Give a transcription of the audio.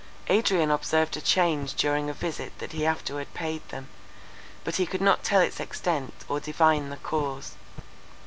Adrian observed a change during a visit that he afterward paid them; but he could not tell its extent, or divine the cause.